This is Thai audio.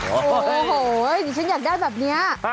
โอ้โหดิฉันอยากได้แบบนี้